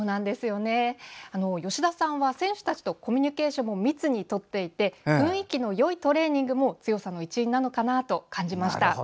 吉田さんは選手たちとコミュニケーションも密にとっていて雰囲気のいいトレーニングも強さの一因なのかなと感じました。